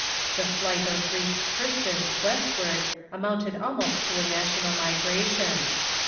The flight of Greek Christians westward amounted almost to a national migration.